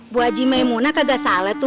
bu haji maimunah kagak salah tuh